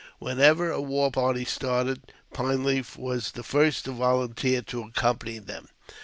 Whenever a war party started. Pine Leaf was the first to volunteer to accompany them.